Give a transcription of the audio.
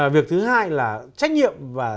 việc thứ hai là trách nhiệm và